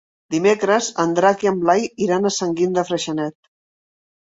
Dimecres en Drac i en Blai iran a Sant Guim de Freixenet.